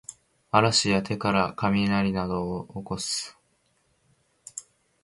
嵐や手からかみなりなどをおこす